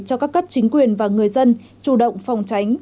cho các cấp chính quyền và người dân chủ động phòng tránh